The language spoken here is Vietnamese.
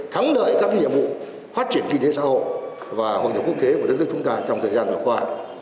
thắng đợi các nhiệm vụ phát triển kinh tế xã hội và hội đồng quốc kế của đất nước chúng ta trong thời gian vừa qua